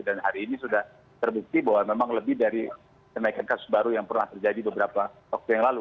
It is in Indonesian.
dan hari ini sudah terbukti bahwa memang lebih dari kenaikan kasus baru yang pernah terjadi beberapa waktu yang lalu